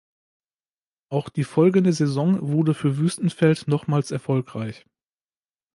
Auch die folgende Saison wurde für Wüstenfeld nochmals erfolgreich.